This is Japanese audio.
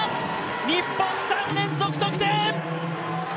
日本、３連続得点！